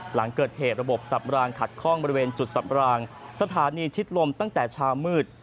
หลังเกิดเหตุระบบสับรางขัดข้องบริเวณจุดสับรางสถานีชิดลมตั้งแต่เช้ามืด